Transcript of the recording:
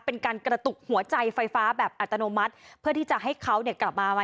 เป็นการกระตุกหัวใจไฟฟ้าแบบอัตโนมัติเพื่อที่จะให้เขาเนี่ยกลับมา